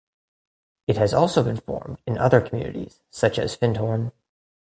It has also been formed in other communities such as Findhorn.